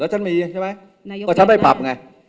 แล้วฉันมีใช่ไหมก็ฉันไม่ปรับไง